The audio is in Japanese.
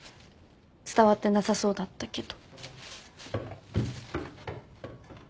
伝わってなさそうだったけど。